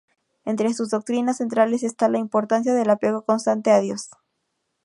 Entre sus doctrinas centrales está la importancia del apego constante a Dios.